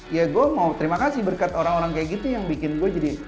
ya gue mau terima kasih berkat orang orang kayak gitu yang bikin gue jadi